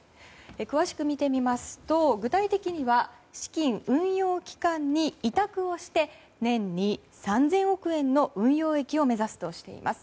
詳しく見てみますと具体的には、資金運用機関に委託をして年に３０００億円の運用益を目指すとしています。